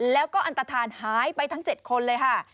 แล้วก็อันตฐานหายไปทั้ง๗คนเลยค่ะ